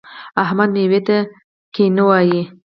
احمد؛ مېوې ته ګبڼۍ ونیو.